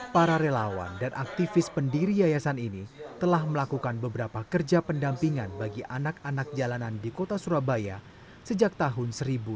para relawan dan aktivis pendiri yayasan ini telah melakukan beberapa kerja pendampingan bagi anak anak jalanan di kota surabaya sejak tahun seribu sembilan ratus sembilan puluh